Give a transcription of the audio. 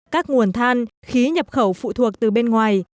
các nguồn than khí nhập khẩu phụ thuộc từ bên ngoài